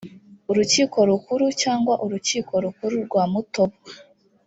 urukiko rukuru cyangwa urukiko rukuru rwa mutobo